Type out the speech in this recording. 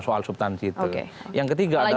soal subtansi itu yang ketiga adalah